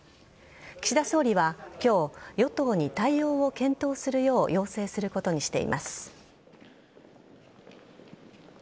岸田総理は今日与党に対応を検討するよう要請することにしています。